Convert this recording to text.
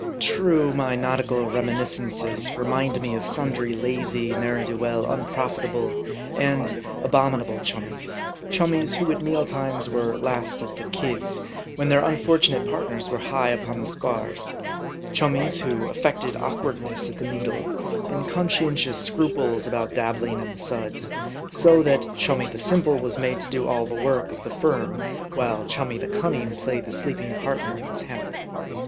True, my nautical reminiscenses remind me of sundry lazy, ne'er do well, unprofitable, and abominable chummies ; chummies, who at meal times were last at the " kids," when their unfortunate partners were high upon the spars ; chummies, who affected awkwardness at the needle, and conscientious scruples about dabbling in the suds ; so that chummy the simple was made to do all the work of the firm, while chummy the cunning played the sleeping partner in his hammock.